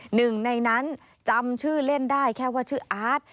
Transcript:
หนึ่งในนั้นจำชื่อเล่นได้แค่ว่าชื่ออาร์ต